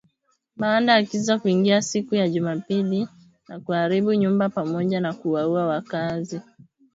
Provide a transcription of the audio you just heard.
baada ya kiza kuingia siku ya Jumapili na kuharibu nyumba pamoja na kuwaua wakaazi